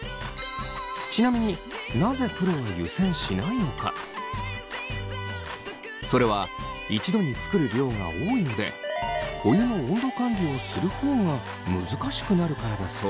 ちなみにそれは一度に作る量が多いのでお湯の温度管理をする方が難しくなるからだそう。